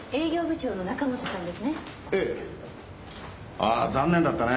ああ残念だったね。